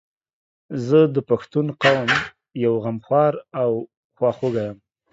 زه د پښتون قوم یو غمخوار او خواخوږی یم